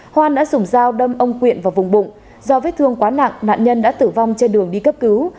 hoan đã dùng dao đâm ông quyện vào vùng bụng do vết thương quá nặng nạn nhân đã tử vong trên đường đi cấp cứu